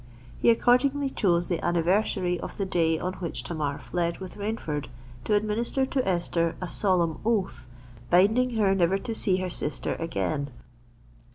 He accordingly chose the anniversary of the day on which Tamar fled with Rainford to administer to Esther a solemn oath, binding her never to see her sister again.